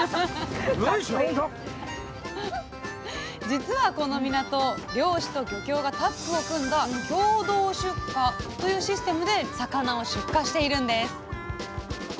実はこの港漁師と漁協がタッグを組んだ「共同出荷」というシステムで魚を出荷しているんです。